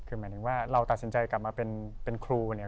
คือหมายถึงว่าเราตัดสินใจกลับมาเป็นครูเนี่ย